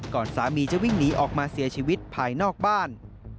สามีจะวิ่งหนีออกมาเสียชีวิตภายนอกบ้าน